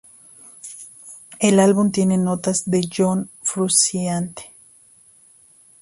El álbum tiene notas de John Frusciante.